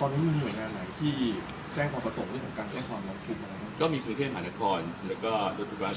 ตอนนี้มีเหนื่อยอะไรที่แจ้งขอบตรศักรณ์ไม่การแจ้งขอบพลังพุธ